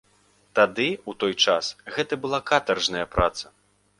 Тады, у той час, гэта была катаржная праца.